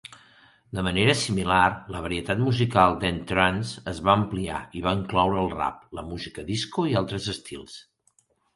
De manera similar, la varietat musical d'N-Trance es va ampliar i va incloure el rap, la música disco i altres estils.